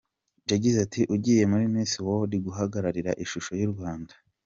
Yagize ati "Ugiye muri Miss World guhagararira ishusho y’u Rwanda.